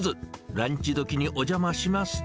ランチ時にお邪魔しますと。